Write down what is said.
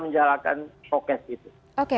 menjalankan prokes itu oke